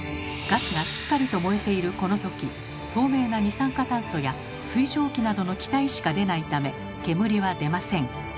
ガスがしっかりと燃えているこの時透明な二酸化炭素や水蒸気などの気体しか出ないため煙は出ません。